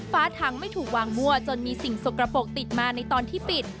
ทางไม่ถูกวางมั่วจนมีสิ่งสกปรกติดมาในตอนที่ปิด